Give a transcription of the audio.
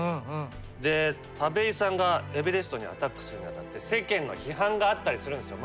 田部井さんがエベレストにアタックするにあたって世間の批判があったりするんですよ。